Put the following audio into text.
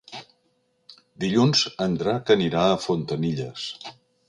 Dilluns en Drac anirà a Fontanilles.